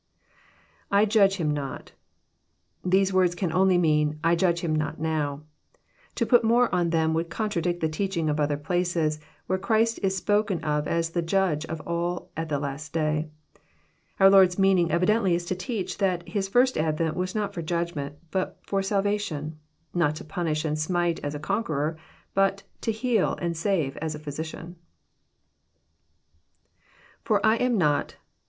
II Judge him noL"] These words can only mean, << I judge him not now." To put more on them would contradict the teaching of other places, where Christ is spoken of as the Judge of all at the last day. Our Lord*s meaning evidently is to teach that His First Advent was not for Judgment, but for salvation, not to punish and smite as a conqueror, but to heal and save as a phy sician. IFor lam not..